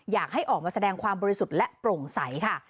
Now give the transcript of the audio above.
อยากให้ออกมาแสดงความบริสุทธิ์และโปร่งใสค่ะ